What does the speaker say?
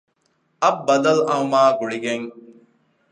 އަށް ބަދަލުއައުމާ ގުޅިގެން